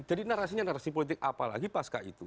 jadi narasinya narasi politik apa lagi pas ke itu